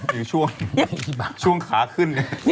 ยังช่วงช่วงขาขึ้น